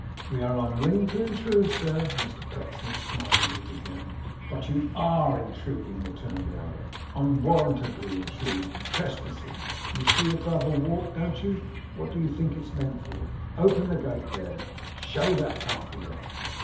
'We are unwilling to intrude, sir,' Mr Pecksniff smilingly began. 'But you ARE intruding,' returned the other, 'unwarrantably intruding. Trespassing. You see a gravel walk, don't you? What do you think it's meant for? Open the gate there! Show that party out!